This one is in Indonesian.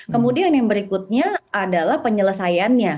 kemudian yang berikutnya adalah penyelesaiannya